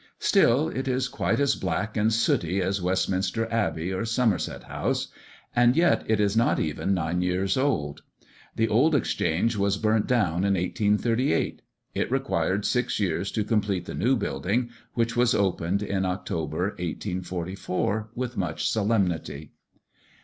Still, it is quite as black and sooty as Westminster Abbey, or Somerset House; and yet it is not even nine years old. The old Exchange was burnt down in 1838; it required six years to complete the new building, which was opened in October, 1844, with much solemnity.